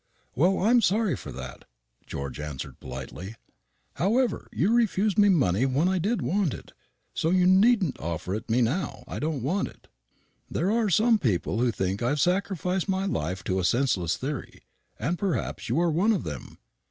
"Well, I'm sorry for that," answered George politely. "However, you refused me money when I did want it; so you needn't offer it me now I don't want it. There are some people who think I have sacrificed my life to a senseless theory; and perhaps you are one of them.